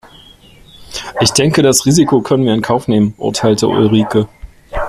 "Ich denke das Risiko können wir in Kauf nehmen", urteilte Ulrike.